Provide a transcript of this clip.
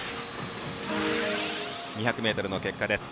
２００ｍの結果です。